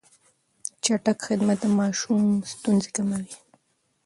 چټک خدمت د ماشوم ستونزې کموي.